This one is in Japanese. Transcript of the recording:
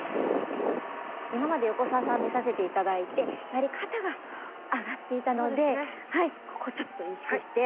今まで横澤さんを見させて頂いてやはり肩が上がっていたのでここちょっと意識して